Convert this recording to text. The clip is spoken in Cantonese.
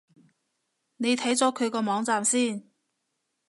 你睇咗佢個網站先